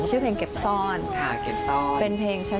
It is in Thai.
ชาจริงเช้า